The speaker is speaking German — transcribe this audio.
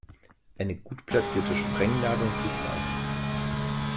Eine gut platzierte Sprengladung tut's auch.